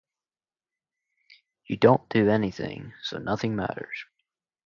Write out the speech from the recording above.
You don't do anything — so nothing matters.